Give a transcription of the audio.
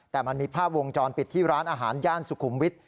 แต่มันมีภาพวงจรปิดที่ร้านอาหารย่านสุขุมวิทย